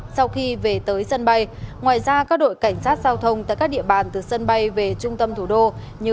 xin chào các bạn